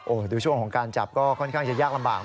ดูช่วงของการจับก็ค่อนข้างจะยากลำบาก